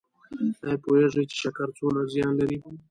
ایا پوهیږئ چې شکر څومره زیان لري؟